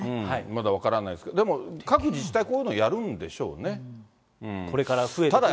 まだ分からないですけど、でも各自治体、こういうのやるんでこれから増えてくると。